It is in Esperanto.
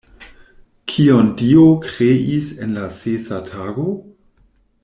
Kion Dio kreis en la sesa tago?